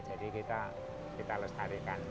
jadi kita kita lestarikan